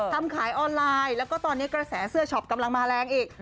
ทำขายออนไลน์แล้วก็ตอนนี้กระแสเสื้อช็อปกำลังมาแรงอีก